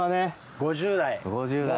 ５０代。